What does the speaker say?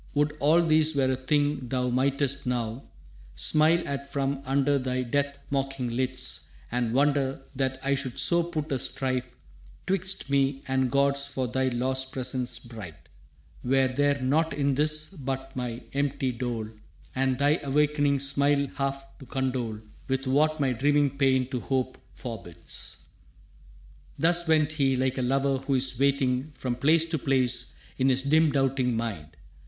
Would all this were a thing thou mightest now Smile at from under thy death mocking lids And wonder that I should so put a strife Twixt me and gods for thy lost presence bright; Were there nought in this but my empty dole And thy awakening smile half to condole With what my dreaming pain to hope forbids». Thus went he, like a lover who is waiting, From place to place in his dim doubting mind.